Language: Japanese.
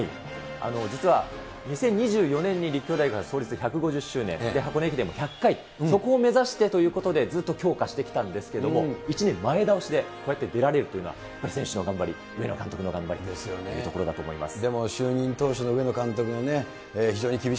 実は２０２４年に立教大学は創立１５０周年、箱根駅伝も１００回、そこを目指してということでずっと強化してきたんですけれども、１年前倒しで、こうやって出られるというのは、やっぱり選手の頑張り、上野監督の頑張りというところだと思います。